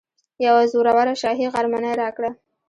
یوه زوروره شاهي غرمنۍ راکړه.